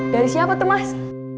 dari siapa tuh mas